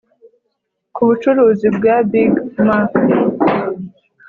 kubucuruzi bwa big mac